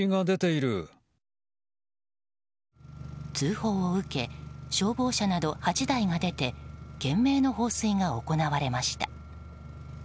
通報を受け消防車など８台が出て懸命の放水が行われました。